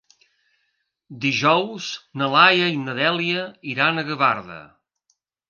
Dijous na Laia i na Dèlia iran a Gavarda.